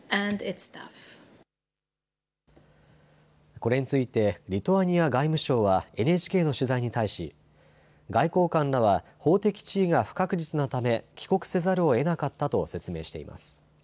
これについてリトアニア外務省はＮＨＫの取材に対し外交官らは法的地位が不確実なため帰国せざるをえなかったと説明しています。